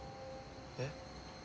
えっ？